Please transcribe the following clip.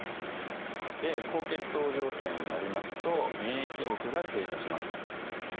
で高血糖状態になりますと免疫力が低下します。